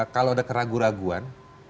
kalau ada keraguan keraguan